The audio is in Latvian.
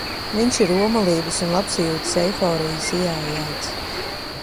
Viņš ir omulības un labsajūtas eiforijas ieaijāts.